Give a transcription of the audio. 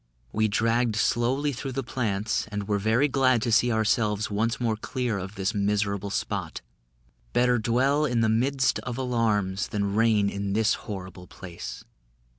We dragged slowly through the plants, and were very glad to see ourselves once more clear of this miserable spot. "Better dwell in the midst of alarms, Than reign in this horrible place."